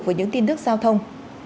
với những tin thức giao thông